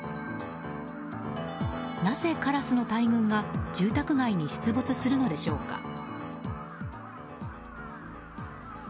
なぜカラスの大群が住宅街に出没するのでしょうか。